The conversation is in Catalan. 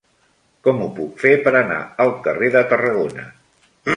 Com ho puc fer per anar al carrer de Tarragona?